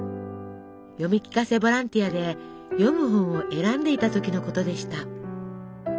読み聞かせボランティアで読む本を選んでいた時のことでした。